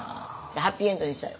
ハッピーエンドにしたい。